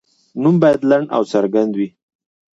نوم باید لنډ او څرګند وي.